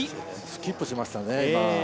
スキップしましたね、今。